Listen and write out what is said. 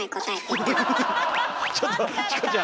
ちょっとチコちゃん！